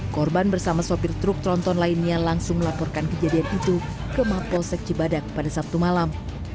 korban bersama sopir truk tronton lainnya langsung melaporkan kejadian itu ke mapolsek cibadak pada sabtu malam